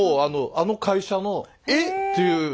あの会社のっていう。